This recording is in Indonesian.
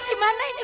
bangun bu erte